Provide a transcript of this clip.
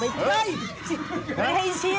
ไม่ให้เชียร์